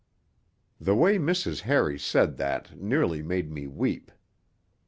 The way Mrs. Harry said that nearly made me weep.